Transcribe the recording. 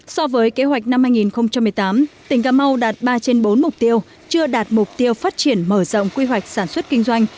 so với kế hoạch năm hai nghìn một mươi tám tỉnh cà mau đạt ba trên bốn mục tiêu chưa đạt mục tiêu phát triển mở rộng quy hoạch sản xuất kinh doanh